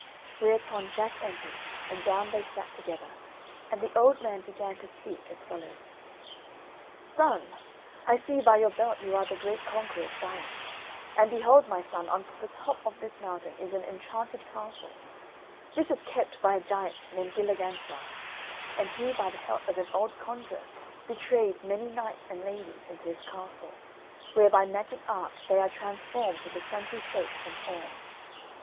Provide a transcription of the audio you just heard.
Whereupon Jack entered, and down they sat together, and the old man began to speak as follows: "Son, I see by your belt you are the great conqueror of giants, and behold, my son, on the top of this mountain is an enchanted castle, this is kept by a giant named Galligantua, and he by the help of an old conjurer, betrays many knights and ladies into his castle, where by magic art they are transformed into sundry shapes and forms.